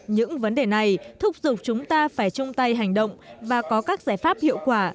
những vấn đề này thúc giục chúng ta phải chung tay hành động và có các giải pháp hiệu quả